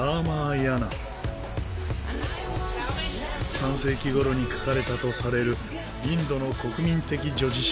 ３世紀頃に書かれたとされるインドの国民的叙事詩。